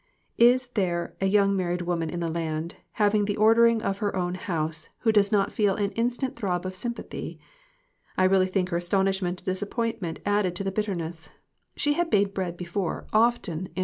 Is there a young married woman in the land, having the ordering of her own house, who does not feel an instant throb of sympathy? I really think her astonishment and disappointment added to the bitterness. She had made bread before often in 1 8 MIXED THINGS.